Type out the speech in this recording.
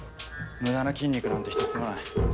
無駄な筋肉なんてひとつもない。